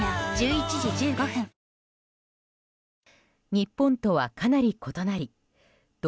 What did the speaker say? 日本とはかなり異なりド